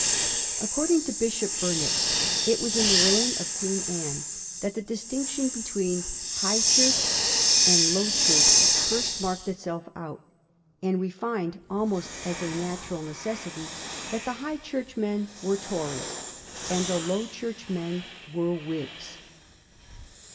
According to Bishop Burnet, it was in the reign of Queen Anne that the distinction between High Church and Low Church first marked itself out, and we find ahnost as a natural necessity that the High Church men were Tories, and the Low Church men were Whigs.